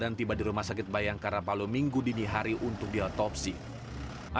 alikalora memimpin kelompok mujahidin indonesia timur dalam rentang waktu dua ribu delapan belas hingga dua ribu delapan belas